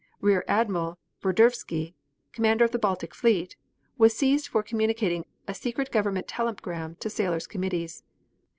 Rear Admiral Verdervski, commander of the Baltic fleet, was seized for communicating a secret government telegram to sailors' committees.